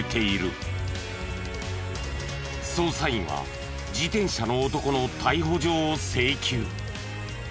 捜査員は自転車の男の逮捕状を請求。